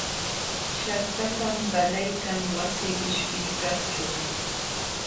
Shaqtatam qalaykan wasi qishpiykaqćhu.